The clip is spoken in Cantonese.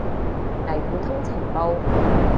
嚟互通情報